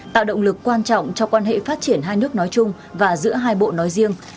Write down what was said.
tạo động lực quan trọng cho quan hệ phát triển hai nước nói chung và giữa hai bộ nói riêng